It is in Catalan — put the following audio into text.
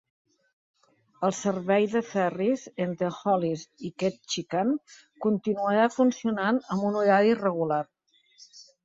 El servei de ferris entre Hollis i Ketchikan continuarà funcionant amb un horari regular.